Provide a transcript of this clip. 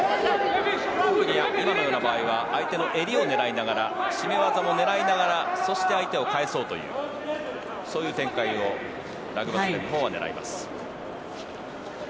今のような場合相手の襟を狙いながら絞め技も狙いながらそして相手を返そうというそういう展開をラグバスレンのほうは狙います。